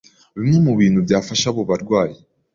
Bimwe mu bintu byafasha abo barwayi,